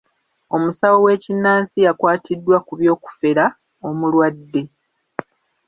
Omusawo w'ekinnansi yakwatiddwa ku by'okufera omulwadde.